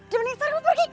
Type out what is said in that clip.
dengar nih asar gue pergi